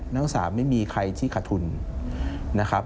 นักอุตส่าก็ไม่มีใครที่ขาดทุนนะครับ